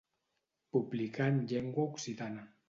Publicà en llengua occitana.